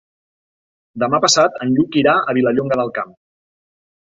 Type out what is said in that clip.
Demà passat en Lluc irà a Vilallonga del Camp.